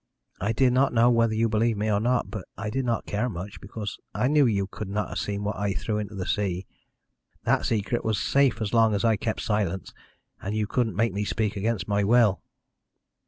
I did not know whether you believed me or not, but I did not care much, because I knew you could not have seen what I threw into the sea. That secret was safe as long as I kept silence; and you couldn't make me speak against my will."